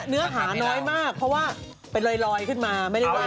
เนื้อหาน้อยมากเพราะว่าเป็นลอยขึ้นมา